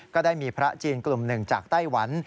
ก็ได้มีพระจีนกลุ่มหนึ่งจากไต้หวัน